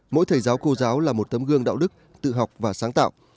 mỗi thầy giáo cô giáo là một tấm gương đạo đức tự học và sáng tạo